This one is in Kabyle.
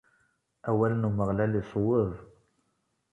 Awal n Umeɣlal iṣweb.